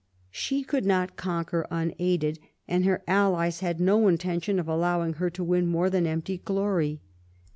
She could not conquer unaided, and her allies had no intention of allowing her to win more than empty glory.